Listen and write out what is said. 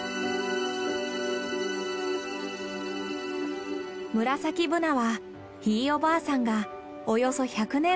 ムラサキブナはひいおばあさんがおよそ１００年前に植えた木。